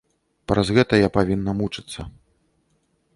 Праз гэта я павінна мучыцца.